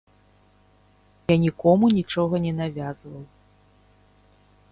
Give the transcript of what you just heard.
Я нікому нічога не навязваў.